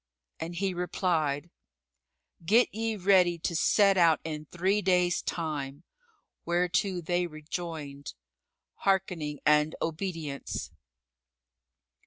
And he replied, "Get ye ready to set out in three days' time;" whereto they rejoined "Harkening and obedience!"